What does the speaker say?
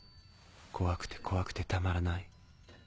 怖くて怖くてたまらない。